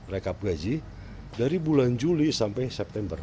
rekap gaji dari bulan juli sampai september